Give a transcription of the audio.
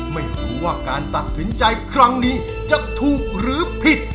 ไม่รู้ว่าการตัดสินใจครั้งนี้จะถูกหรือผิด